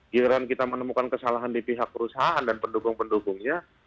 giliran kita menemukan kesalahan di pihak perusahaan dan pendukung pendukungnya